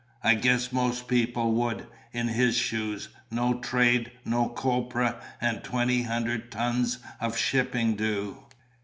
I guess most people would, in his shoes; no trade, no copra, and twenty hundred ton of shipping due.